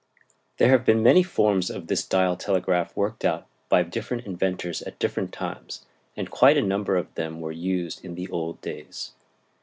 There have been many forms of this dial telegraph worked out by different inventors at different times, and quite a number of them were used in the old days.